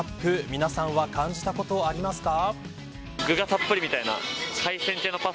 皆さんは感じたことありますか。